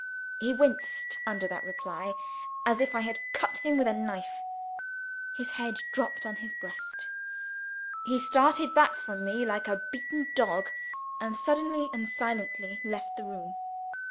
_" He winced under that reply, as if I had cut him with a knife. His head dropped on his breast. He started back from me like a beaten dog and suddenly and silently left the room.